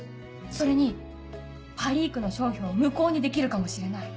それにパリークの商標を無効にできるかもしれない。